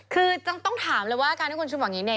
คือต้องถามเลยว่าการที่คุณชุมบอกอย่างนี้เนี่ย